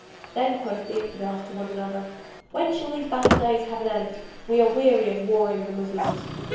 Then quoth the Infidels to one another, "When shall these battle days have an end? We are weary of warring the Moslems."